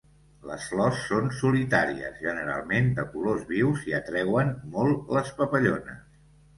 Les flors són solitàries, generalment de colors vius, i atreuen molt les papallones.